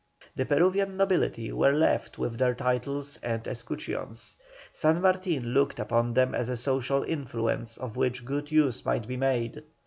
The Peruvian nobility were left with their titles and escutcheons; San Martin looked upon them as a social influence of which good use might be made.